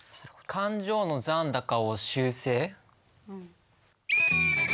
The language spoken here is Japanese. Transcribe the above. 勘定の残高を修正？